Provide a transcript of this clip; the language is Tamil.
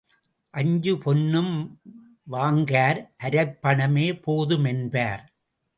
அஞ்சு பொன்னும் வாங்கார், அரைப்பணமே போது மென்பார்.